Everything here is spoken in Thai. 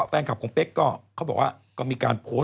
แฟนคลับของเป๊กก็บอกว่า